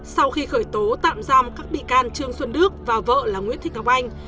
sau khi khởi tố tạm giam các bị can trương xuân đức và vợ là nguyễn thị ngọc anh